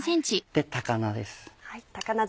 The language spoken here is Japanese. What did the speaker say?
高菜です。